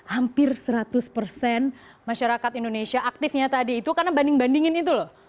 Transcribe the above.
hampir seratus persen masyarakat indonesia aktifnya tadi itu karena banding bandingin itu loh